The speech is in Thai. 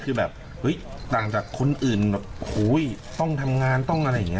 คือต่างจากคนอื่นต้องทำงานต้องอะไรอย่างนี้